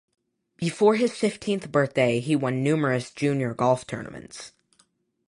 Before his fifteenth birthday, he won numerous junior golf tournaments.